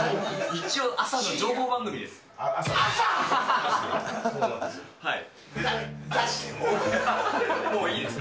一応、朝の情報番組です。